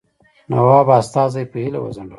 نواب استازی په هیله وځنډاوه.